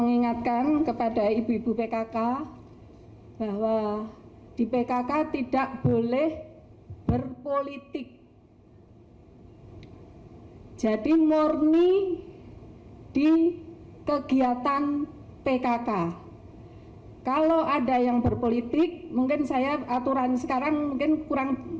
ibu negara iryana joko widodo menegaskan agar seluruh anggota pemberdayaan dan kesejahteraan keluarga atau pemberdayaan